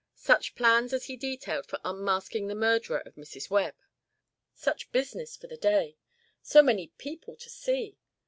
Such plans as he detailed for unmasking the murderer of Mrs. Webb! Such business for the day! So many people to see!